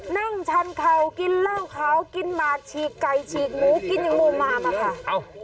นั่งชันเข่ากินเล่าเขากินหมาชีกไก่ชีกหมูกินอย่างโมมามาค่ะ